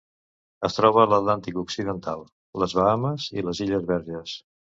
Es troba a l'Atlàntic occidental: les Bahames i les Illes Verges.